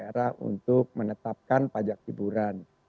daerah untuk menetapkan pajak hiburan